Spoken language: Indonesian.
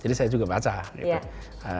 jadi saya juga baca gitu